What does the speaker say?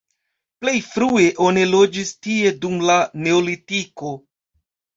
Plej frue oni loĝis tie dum la neolitiko.